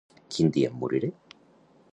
Quin dia em moriré?